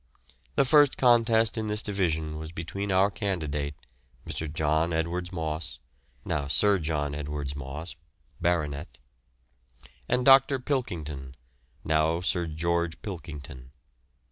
The first contest in this division was between our candidate, Mr. John Edwards Moss (now Sir John Edwards Moss, Bart.), and Dr. Pilkington (now Sir George Pilkington).